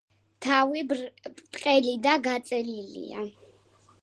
თავი ბრტყელი და გაწელილია.